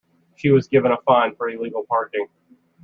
She was given a fine for illegal parking.